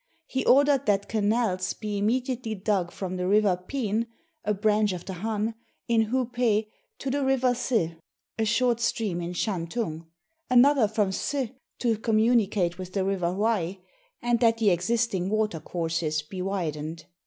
He ordered that canals be immediately dug from the river Pien, a branch of the Han, in Hupeh, to the river Sz, a short stream in Shantung; another from Sz to communicate with the river Hwai, and that the ex isting water courses be widened.